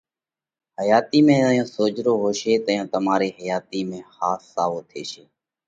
حياتِي ۾ زئيون سوجھرو هوشي تئيون تمارِي حياتِي ۾ ۿاس ساوو ٿيشي۔